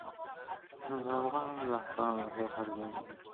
د "افغان زعفران" لوحې هر ځای لیدل کېږي.